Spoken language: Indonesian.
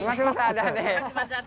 masih ada nih